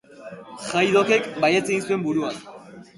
Haydockek baietz egin zuen buruaz.